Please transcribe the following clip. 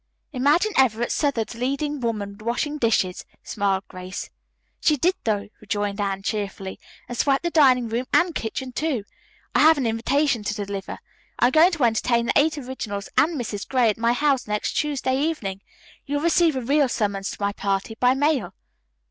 "Imagine Everett Southard's leading woman washing dishes," smiled Grace. "She did, though," rejoined Anne cheerfully, "and swept the dining room and kitchen, too. I have an invitation to deliver. I am going to entertain the Eight Originals and Mrs. Gray at my house next Tuesday evening. You'll receive a real summons to my party by mail."